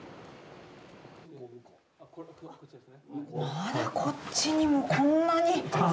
まだこっちにもこんなに！